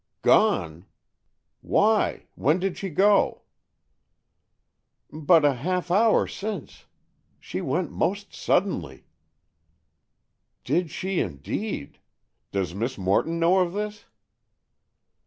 "Gone! Why, when did she go?" "But a half hour since. She went most suddenly." "She did indeed! Does Miss Morton know of this?"